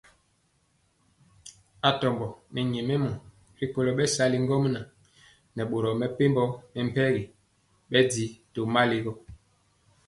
Atɔmbɔ nɛ nyɛmemɔ rikolo bɛsali ŋgomnaŋ nɛ boro mepempɔ mɛmpegi bɛndiɔ tomali.